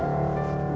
kita cuma berbagi